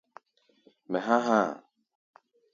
Mɛ há̧ há̧ a̧.